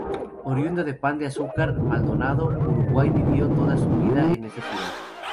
Oriundo de Pan de Azúcar, Maldonado, Uruguay vivió toda su vida en esa ciudad.